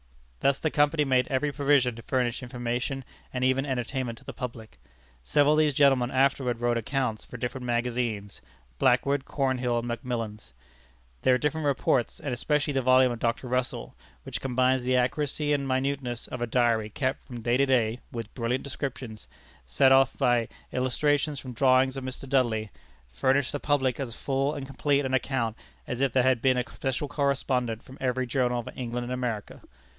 Thus the Company made every provision to furnish information and even entertainment to the public. Several of these gentlemen afterward wrote accounts for different magazines Blackwood, Cornhill, and Macmillan's. Their different reports, and especially the volume of Dr. Russell, which combines the accuracy and minuteness of a diary kept from day to day, with brilliant descriptions, set off by illustrations from drawings of Mr. Dudley, furnish the public as full and complete an account as if there had been a special correspondent for every journal of England and America.